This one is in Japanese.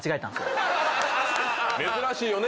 珍しいよね。